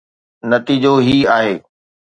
نتيجو هي آهي